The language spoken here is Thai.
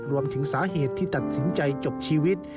รวมถึงสาเหตุที่ตัดสินใจจบชีวิต